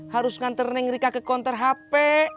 harus nganter neng rika ke konter hp